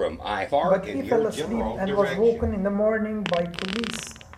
But he fell asleep and was woken in the morning by police.